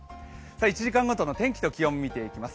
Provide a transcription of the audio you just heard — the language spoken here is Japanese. １時間ごとの天気と気温を見ていきます。